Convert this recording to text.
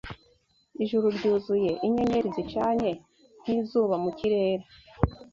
Ijuru ryuzuye inyenyeri zicanye nk’izuba mukirere